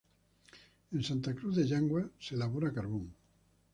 En Santa Cruz de Yanguas se elaboraba carbón.